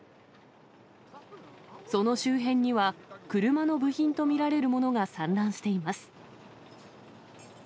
その周辺には車の部品と見られるものが散乱しています。